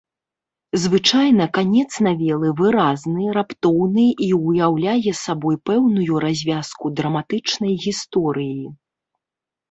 Звычайна канец навелы выразны, раптоўны і ўяўляе сабой пэўную развязку драматычнай гісторыі.